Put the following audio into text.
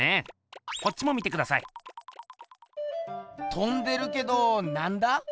とんでるけどなんだ？